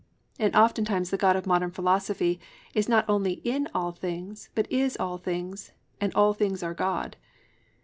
And oftentimes the God of modern philosophy is not only "in all things" but is all things and all things are God.